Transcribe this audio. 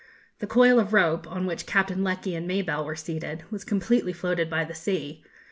The coil of rope, on which Captain Lecky and Mabelle were seated, was completely floated by the sea.